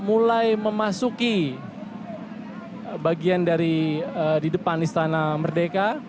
mulai memasuki bagian dari di depan istana merdeka